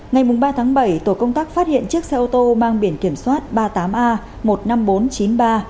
ngày ba tháng bảy tổ công tác phát hiện chiếc xe ô tô mang biển kiểm soát ba mươi tám a một mươi năm nghìn bốn trăm chín mươi ba